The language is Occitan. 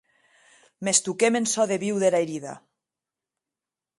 Mès toquem en çò de viu dera herida.